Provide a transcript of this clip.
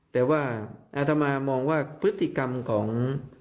แต่ว่าอาตมามองว่าพฤติกรรมของ